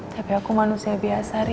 tapi aku manusia biasa